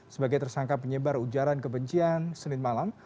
sebagai tersangka penyebar ujaran kebencian senin malam